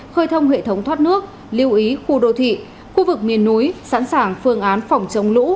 khơi thông hệ thống thoát nước lưu ý khu đô thị khu vực miền núi sẵn sàng phương án phòng chống lũ